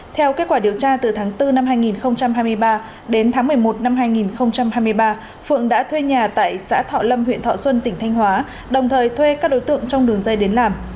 theo kết quả điều tra từ tháng bốn năm hai nghìn hai mươi ba đến tháng một mươi một năm hai nghìn hai mươi ba phượng đã thuê nhà tại xã thọ lâm huyện thọ xuân tỉnh thanh hóa đồng thời thuê các đối tượng trong đường dây đến làm